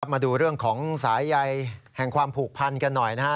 มาดูเรื่องของสายใยแห่งความผูกพันกันหน่อยนะฮะ